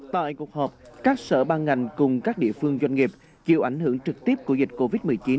tại cuộc họp các sở ban ngành cùng các địa phương doanh nghiệp chịu ảnh hưởng trực tiếp của dịch covid một mươi chín